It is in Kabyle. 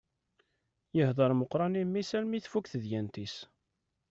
Yehder meqqran i mmi-s almi tfukk tedyant-is.